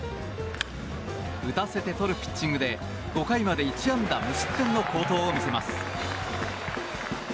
打たせてとるピッチングで５回１安打無失点の好投で抑えます。